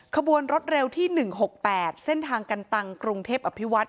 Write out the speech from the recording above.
ขบวนรถเร็วที่๑๖๘เส้นทางกันตังกรุงเทพอภิวัต